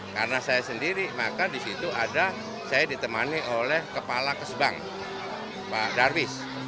karena saya sendiri maka di situ ada saya ditemani oleh kepala kesbang pak darwis